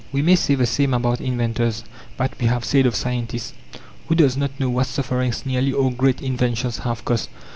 We may say the same about inventors, that we have said of scientists. Who does not know what sufferings nearly all great inventions have cost?